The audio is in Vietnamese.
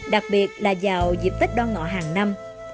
đặc biệt là vào dịp tết đoan ngọ hàng năm